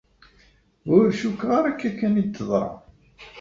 Ur cukkeɣ ara akka kan i d-teḍra.